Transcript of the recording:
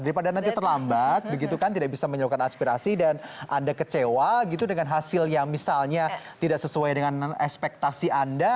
daripada nanti terlambat begitu kan tidak bisa menyeluruhkan aspirasi dan anda kecewa gitu dengan hasil yang misalnya tidak sesuai dengan ekspektasi anda